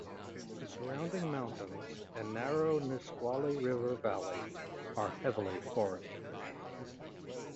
The surrounding mountains and narrow Nisqually River valley are heavily forested.